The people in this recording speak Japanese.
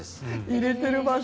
入れてる場所